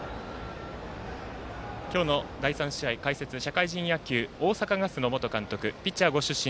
今日の第３試合解説、社会人野球大阪ガスの元監督ピッチャーご出身